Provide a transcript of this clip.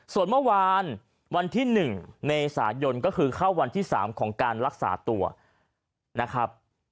ส่วนเมื่อวานวันที่๑เมษายนก็คือเข้าวันที่๓ของการรักษาตัวนะครับ